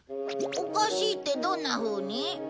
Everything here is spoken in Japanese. おかしいってどんなふうに？